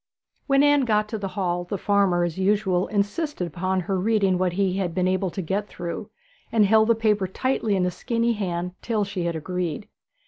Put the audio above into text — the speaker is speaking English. When Anne got to the hall the farmer, as usual, insisted upon her reading what he had been unable to get through, and held the paper tightly in his skinny hand till she had agreed.